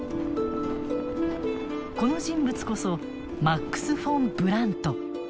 この人物こそマックス・フォン・ブラント。